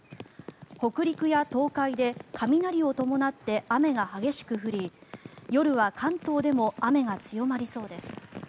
北陸や東海で雷を伴って雨が激しく降り夜は関東でも雨が強まりそうです。